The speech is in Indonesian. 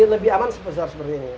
lebih aman sebesar seperti ini